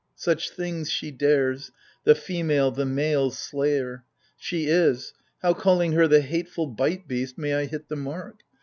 Such things she dares — the female, the male's slayer ! She is. .. how calling her the hateful bite beast May I hit the mark